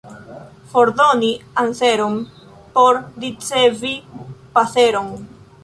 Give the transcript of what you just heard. Fordoni anseron, por ricevi paseron.